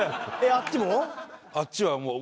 あっちは。